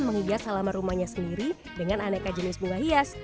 menghias halaman rumahnya sendiri dengan aneka jenis bunga hias